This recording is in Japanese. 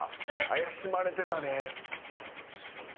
怪しまれてたで。